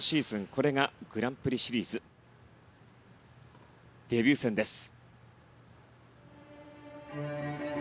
これがグランプリシリーズデビュー戦です。